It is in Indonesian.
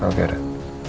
terima kasih pak